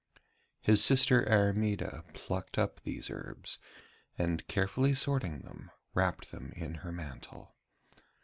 His sister Airmeda plucked up these herbs, and carefully sorting them, wrapped them up in her mantle.